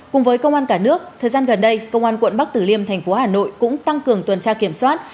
cùng với công an cả nước thời gian gần đây công an quận bắc tử liêm thành phố hà nội cũng tăng cường tuần tra kiểm soát